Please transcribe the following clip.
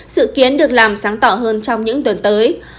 sự kiến được làm sáng tỏ hơn trong những tuần tới